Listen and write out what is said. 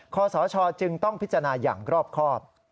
ขอสชจึงต้องพิจารณาอย่างรอบครอบ